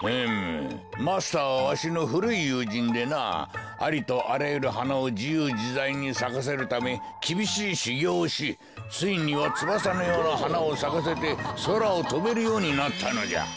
マスターはわしのふるいゆうじんでなありとあらゆるはなをじゆうじざいにさかせるためきびしいしゅぎょうをしついにはつばさのようなはなをさかせてそらをとべるようになったのじゃ。